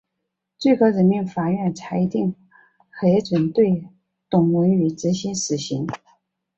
最高人民法院裁定核准对董文语执行死刑。